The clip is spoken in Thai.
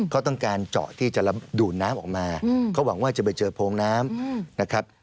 เขาต้องการเจาะที่จะดูดน้ำออกมาเขาหวังว่าจะไปเจอโพงน้ำนะครับ